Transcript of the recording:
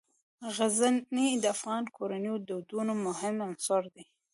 غزني د افغان کورنیو د دودونو مهم عنصر دی.